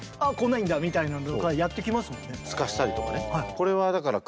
これはだからおっ！